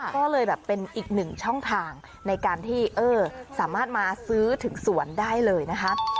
ก็เลยแบบเป็นอีกหนึ่งช่องทางในการที่สามารถมาซื้อถึงสวนได้เลยนะคะ